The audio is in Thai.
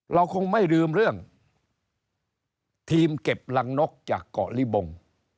เราคงไม่ลืมเรื่องทีมเก็บรังนกจากเกาะลิบง